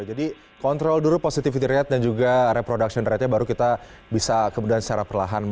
jadi kontrol dulu positivity rate dan juga reproduction rate nya baru kita bisa kemudian secara perlahan